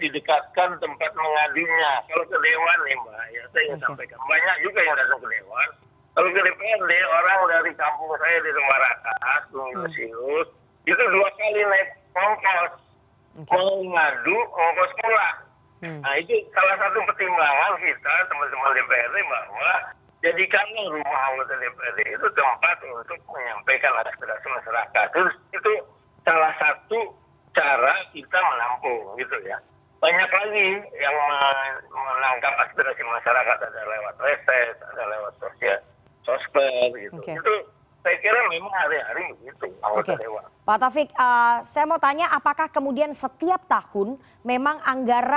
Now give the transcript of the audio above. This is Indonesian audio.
ini kan terakhir rencananya yang sijil besok kita dapat bangga